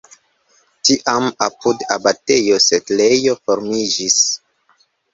Tiam apud abatejo setlejo formiĝis.